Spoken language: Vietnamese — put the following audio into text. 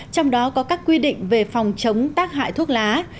trong đó có các quy định về phòng chống tác hại thuốc lá